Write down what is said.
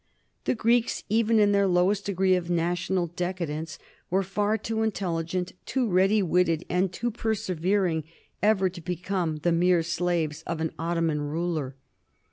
The Greeks, even in their lowest degree of national decadence, were far too intelligent, too ready witted, and too persevering ever to become the mere slaves of an Ottoman ruler.